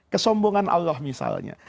kesombongan allah misalnya